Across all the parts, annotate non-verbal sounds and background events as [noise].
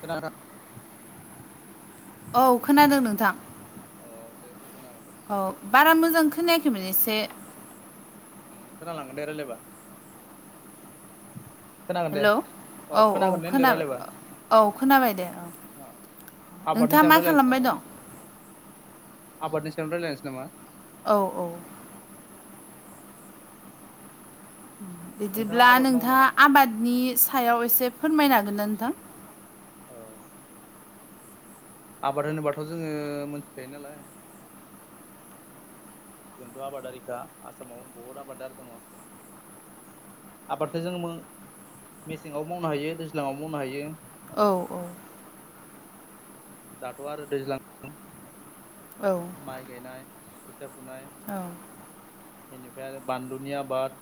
खोनादों औ खोनादों नोंथां अ दे बुंनो हागोन दे औ बारा मोजां खोनायाखैमोन एसे ओम खोना लांगोन दे रायलायबा खोनागोन दे हेल' औ अ औ खोनागोन दे होनदो खोनाबाय रायलायबा औ खोनाबाय दे औ अ आबादनि नोंथाङा सायाव मा रायलायनोसै खालामबाय नामा दं? आबादनि सायावनो रायज्लायनोसै नामा औ औ नोंथाङा बिदिब्ला आबाद मावो नोंथाङा नामा आबादनि सायाव एसे फोरमायनो हागोननाा नोंथां? औ आबाद होनोबाथ' जोङो मोनथिखायो नालाय जोंथ' आबादारिखा आसामाव बहुद आबादारि दङ आबादखौ जों मेसेङाव मावनो हायो दैज्लाङाव मावनो हायो। औ औ दाथ' आरो दैज्लां औ माइ गायनाय खोथिया फुनाय एनिफ्राय आरो बानलुनि आबाद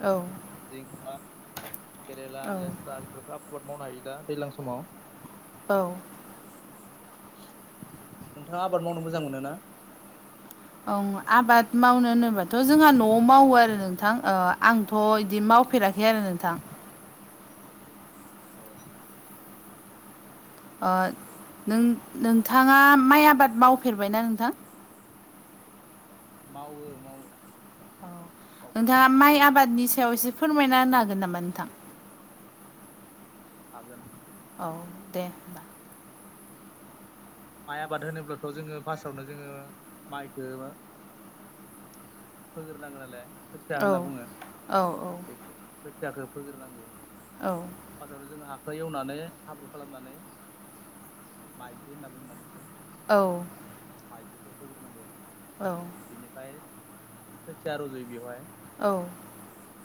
औ जिंखा केरेला औ लेस्रा बेफोरखौ आबाद मावनो हायो दा दैलां समाव। औ नोंथाङा आबाद मावनो मोजां मोनो ना? ओं आबाद मावनो होनोबाथ' जोंहा न'आव मावो आरो नोंथां आंथ' बिदि मावफेरा खै आरो नोंथां औ अ नों-नोंथाङा माइ आबाद मावफेरबायना नोंथां? मावो मावो औ मावबोनो नोंथाङा माइ आबादनि सायाव एसे फोरमायना होनो हागोन नामा नोंथां? हागोन औ दे होमबा माइ आबाद होनोब्लाथ' जोङो फासावनो जोङो माइखो फोग्रोनांगोन नालाय खोथिया औ होनना बुङो औ बेखो। खोथियाखौ फोग्रोनांगौ औ फास्टाआवनो जोङो हाखो एवनानै हाब्रु खालामनानै माइज्लि होनना बुंङोना बेखौ औ माइज्लिखौ फोग्रोनांगौ औ बिनिफ्राय खोथिया रज'यो बेवहाय औ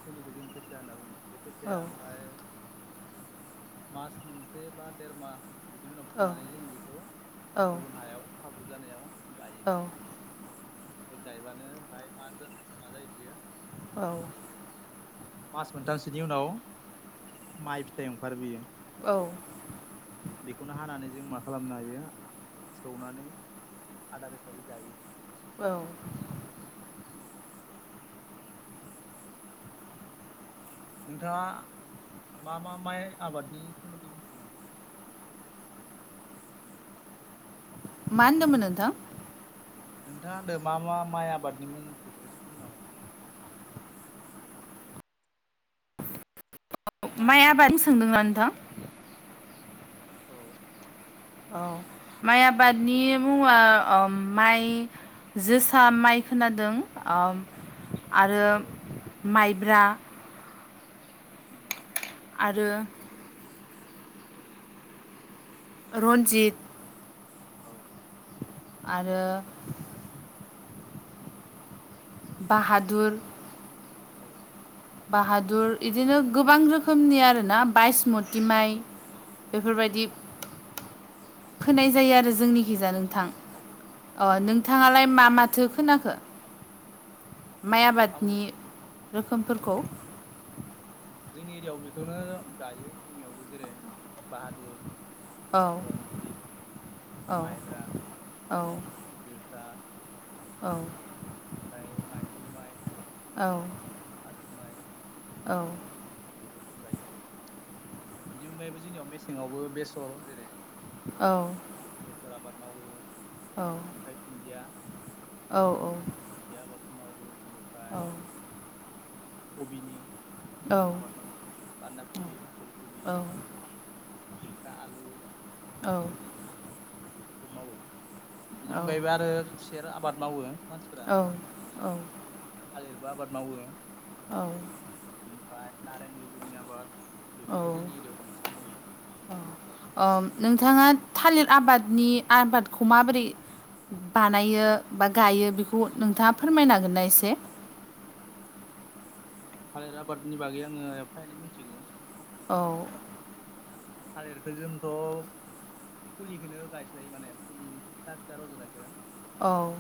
फुलिखौ जों खोथिया होनना बुङो बे खोथिया ओमफ्राय मास मोनसे बा देर माहा बिनि उनाव औ फुनानै जों बेखौ औ गुबुन हायाव हाब्रु जानायाव गायो बे गायबानो ओमफ्राय मा मा जायो बियो औ मास मोनथामसोनि उनाव माइ फिथाइ ओंखारो बियो औ बेखौनो हानानै जों मा खालामनो हायो सौनानै आदार हिसाबै जायो। औ नोंथाङा मा मा माइ आबादनि सोमोन्दै मिथिगौ नामा? मा होनदोंमोन नोंथां? नोंथाङा होदो मा मा माइ आबादनि मोनथिगो एसे बुंनो हागोन ना हायो नामा? माइ माइनि मुं आबादनि सोंदोंना नोंथां? औ औ माइ आबादनि मुङा ओ माइ जोसा माइ खोनादों ओम आरो औ माइब्रा [inaudible] आरो रन्जित औ आरो बाहादुर औ बाहादुर इदिनो गोबां रोखोमनि आरोना बायसमुथि माइ। बेफोरबायदि फोनाय जायो आरो जोंनि गिजा नोंथां। अ उम नोंथाङालाय मा माथो खोनाखो? माइ आं आबादनि रोखोमफोरखौ। जोंनि एरियायाव बेखौनो गायो जोंनियावबो जेरै बाहादुर। औ रन्जित औ माइब्रा जोसा। औ ओमफ्राय माइसालि माइ। औ औ बेफोरखौ गायो बिनि अनगायैबो जोंनियाव मेसेंआवबो बेसर जेरै औ बेसर आबाद मावो। औ ओमफ्राय धुन्दिया। औ औ बिदि आबादखौ मावो बिनिफ्राय कबिनि आबाद मावो बान्दा कबि फुल कबि बिनिफ्राय आलु औ बेफोरखौ मावो बेनि अनगायैबो आरो खुसेर आबाद मावो मानसि औ औ थालिरबो आबाद मावो। औ बिनिफ्राय नारें लेबुनि आबाद बेफोरखौ जोंनि एरियायाव बांसिन मावो। ओ नोंथाङा थालिर आबादनि आबादखौ माबोरै बानायो बा गायो बेखौ नोंथाङा फोरमायन हांगोनना एसे? थालिर आबादनि बागै आङो एफा एनै मिथिगौ। औ थालिरखौ जोंथ' फुलिखौनो गायस्लायो माने फुलि फिसा फिसा रज'नायखौ। औ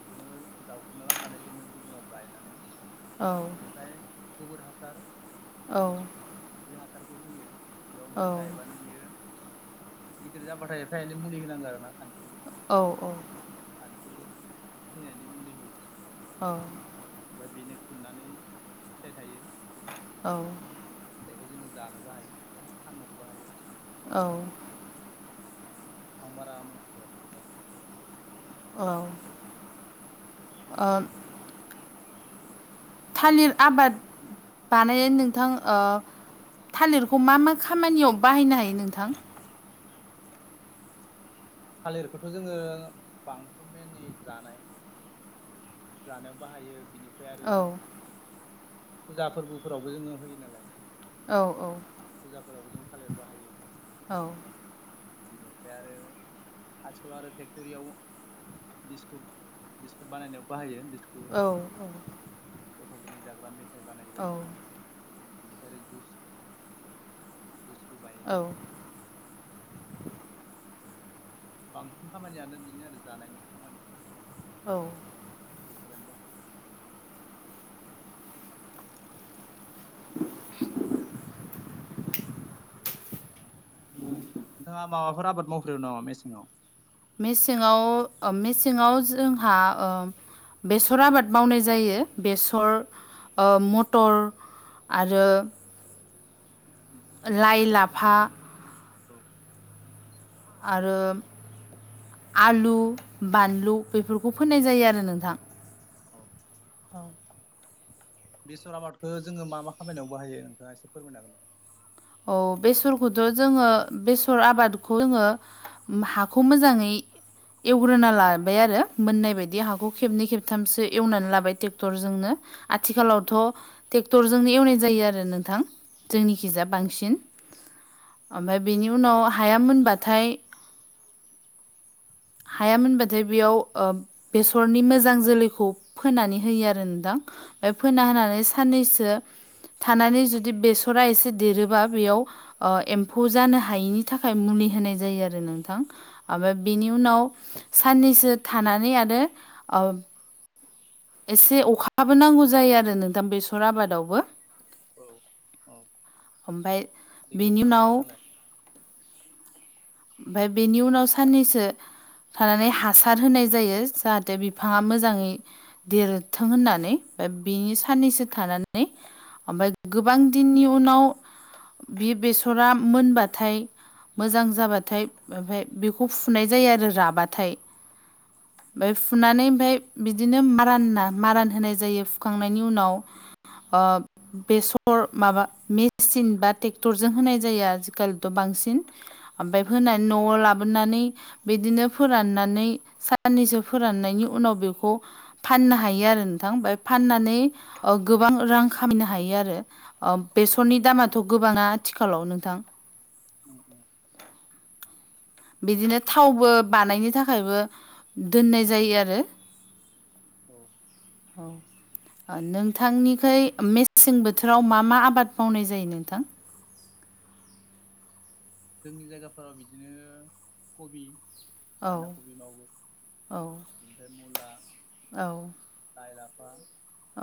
बेखौनो जावखुना लाबनानै जोङो गुबुनाव गायनानै औ बेनिफ्राय गोबोर हासार। औ बे हासारखौ होयो बेयाव औ ओमफ्राय गायबानो बियो। गिदिर जाबाथाय एफाय एनै मुलि होनांगौ आरो ना खानस्रिनि। औ औ खानस्रि थैनानै मुलि होयो। औ ओमफ्राय बेनो खुननानै फिथाइ थायो। औ फिथाइखौ जोङो जानोबो हायो आरो फाननोबो हायो। औ आं बारा मिथिफेराखै बिनि बागै। औ ओम थालिर आबाद बानायनाय नोंथां ओ थालिरखौ मा मा खामानियाव बाहायनो हायो नोंथां? थालिरखौथ' जोङो बांसिन बेबादि जानाय जानायाव बाहायो बिनिफ्राय आरो औ फुजा फोरबोफोरावबो जोङो होयो नालाय। औ औ फुजाफोरावबो जों थालिर बाहायो औ बेनिफ्राय आरो आथिखालाव आरो फेक्ट'रियाव बिस्कुट बिस्कुट बानायनायाव बाहायो बिस्कुट औ गथ'फोरनि जाग्रा मेथाइ बानायो बायदिसिना। बेनिफ्राय आरो जुस जुइसखौ बायनो औ मेसिनाव बांसिन खामानियानो बिदिनो आरो जानायनि खामानि औ औ बेफोरावनो बाहायो नोंथाङा माबाफोर आबाद मावग्रदों नामा मेसेंआव? मेसेङाव ओ मेसेङाव जोंहा ओ बेसर आबाद मावनाय जायो ओ बेसर मटर आरो लाइ लाफा औ आरो आलु बानलु बेफोरखौ फोननाय जायो आरो नोंथां। औ [inaudible] बेसर आबादखौ जोङो मा मा खामानियाव बाहायो नोंथाङा एसे फोरमायनो हागोन नामा? औ बेसरखौथ' जोङो बेसर आबादखौ जोङो हाखौ मोजाङै एवग्रोना लाबाय आरो मोननाय बायदि हाखौ खेबनै खेबथामसो एवनानै लाबाय ट्रेक्टरजोंनो। आथिखालावथ' ट्रेक्टरजोंनो एवनाय जायो आरो नोंथां जोंनिखिजाय सिन ओफाय बिनि उनाव हाया मोनबाथाय हाया मोनबाथाय बेयाव ओ बेसरनि मोजां जोलैखौ फोनानै होयो आरो नोंथां ओ फोना होनानै साननैसो थानानै जुदि बेसरा एसे देरो बा बेयाव ओ एमफौ जानो हायिनि थाखाय मुलि होनाय जायो आरो नोंथां। आमफाय बिनि उनाव साननैसो थानानै आरो एसे अखाबो नांगौ जायो आरो नोंथां बेसर आबादावबो औ औ ओमफाय दैखौथ' बेनि नांखागौ उनाव नालाय आमफाय बेनि उनाव साननैसो थानानै हासार होनाय जायो जाहाथे बिफाङा मोजाङै देरथों होननानै [inaudible] बिनि साननैसो औ थानानै नै ओमफाय गोबां दिननि उनाव बियो बेसरा मोनबाथाय मोजां जाबा थाय ओमफाय बेखौ फुनाय जायो आरो राबाथाय। ओमफाय औ फुनानै ओमफाय बिदिनो मारा होना मारान होनाय जायो फुखांनायनि उनाव ओ बेसर माबा मेसिन बा ट्रेक्टरजों होनाय जायो आजिखालिथ' बांसिन आमफाय होनानै औ न'वाव लाबोनानै बिदिनो फोराननानै साननैसो फोराननायनि उनाव बेखौ फाननो हायो आरो नोंथां ओमफ्राय फाननानै ओ गोबां रां खामायनो हायो आरो। अ बेसरनि औ दामाथ' गोबाङा आथिखालाव नोंथां उम उम बिदिनो थावबो बानायनो थाखायबो दोननाय जायो आरो औ औ ओ नोंथांनिखै मेसें बोथोराव मा मा आबाद मावनाय जायो नोंथां? जोंनि जायगाफोराव बिदिनो खबि औ बानदा खबि मावो औ ओमफाय मुला औ लाइ लाफा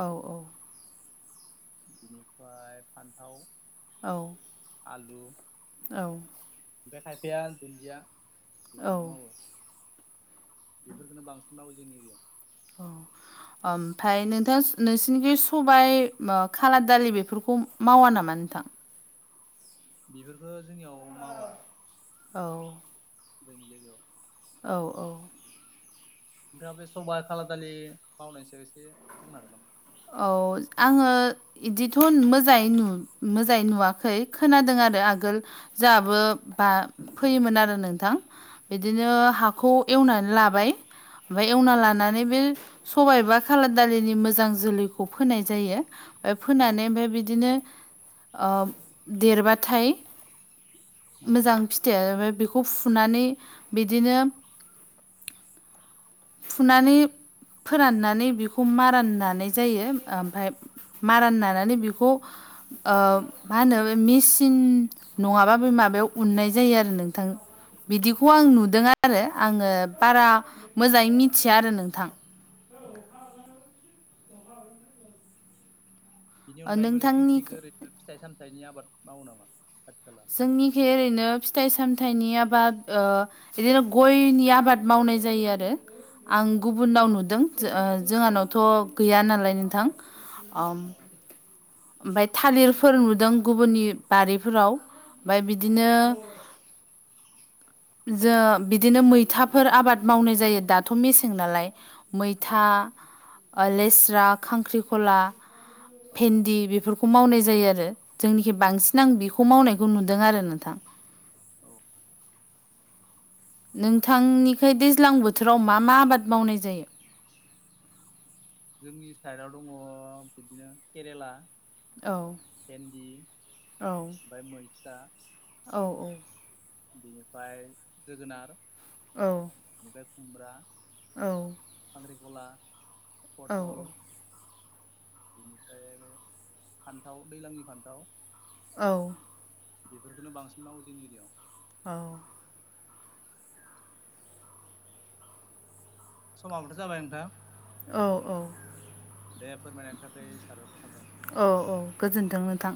औ औ बिनिफाय फानथाव औ आलु औ ओमफ्राय खायफाया दुन्दिया बेखौबो औ मावो बिफोरफोरखोनो बांसिन मावो जोंनि जों औ ओमफ्राय नोंथां नोंसोरनिखि बे सबाय मा खाला दालि बेफोरखौ मावा नामा नोंथां बिफोरफोरखो जोंनियाव मावा औ जोंनि जायगायाव औ औ नोंथाङा बे सबा खाला दालि मावनायनि सायाव एसे बुंनो हागोन नामा औ आंङो इदिथ' मोजाङै नु मोजाङै नुवाखै खोनादों आरो आगोल जोंहाबो बा फैयोमोन आरो नोंथां बिदिनो हाखौ एवनानै लाबाय ओमफाय एवना उम लानानै बे सबायाइबा एबा खाला दालिनि मोजां जोलैखौ फोनाय जायो ओ उम फोनानै ओमफाय बिदिनो ओब देरबाथाय उम मोजां फिथायाबो बेखौ फुनानै बिदिनो फुनानै फोराननानै बिखौ मारान नानाय जायो आ ओमफाय मारान नानानै बिखौ ओ मा होनो मिसिन नङाबा बे माबायाव उननाय जायो आरो नोंथां बिदिखौ आं नुदों आरो आङो बारा मोजाङै मिथिया आरो नोंथां औ बिनि अनगायैबो नोंसिनि थिग नोंथांनि ओरैनो फिथाइ सामथाइनि आबाद मावो नामा खाथि खाला जोंनिखि ओरैनो फिथाइ सामथाइनि आबाद ओ इदिनो गयनि आबाद मावनाय जायो आरो आं औ गुबुनाव नुदों जोंहानावथ' गैया नालाय नोंथां ओम औ ओमफाय थालिरफोर नुदों गुबुननि बारिफोराव ओमफाय औ बिदिनो जो बिदिनो मैथाफोर आबाद मावनाय जायो दाथ' मेसें नालाय औ मैथा ओ लेस्रा खांख्रिखला औ भेन्दि बिफोर खौ मावनाय जायो आरो जोंनिखि बांसिन आं बेखौ मावनायखौ नुदों आरो नोंथां औ नोंथांनिखै दैज्लां बोथोराव मा मा आबाद मावनाय जायो जोंनि साइडआव दङ बिदिनो केरेला औ भेन्दि ओमफाय मैथा औ औ बिनिफाय जोगोनार। औ बेनिफ्राय खुमब्रा औ खांखिखला औ पटल बेनिफ्राय आरो फान्थाव दैज्लांनि फान्थाव औ बेफोरखौनो बांसिन मावो जोंनि इरियाआव औ समाबोथ जाबाय नोंथां औ औ दे फोरमायनायनि थाखाय साबायखर थाबाय औ औ गोजोनथों नोंथां